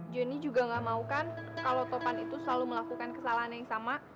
joni juga gak mau kan kalau topan itu selalu melakukan kesalahan yang sama